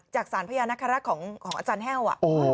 จากสารพญานครักษ์ของอาจารย์แห้ว